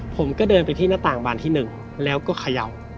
ผมก็เดินไปที่หน้าต่างบานที่๑แล้วก็เขย่า